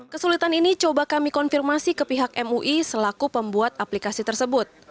kesulitan ini coba kami konfirmasi ke pihak mui selaku pembuat aplikasi tersebut